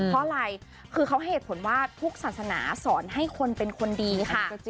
เพราะอะไรคือเขาเหตุผลว่าทุกศาสนาสอนให้คนเป็นคนดีค่ะ